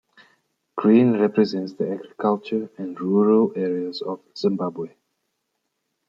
Green represents the agriculture and rural areas of Zimbabwe.